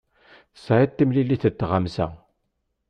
Tesɛiḍ timlilit d tɣamsa.